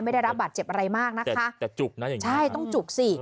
ได้รับบาดเจ็บอะไรมากนะคะแต่จุกนะอย่างงี้ใช่ต้องจุกสิ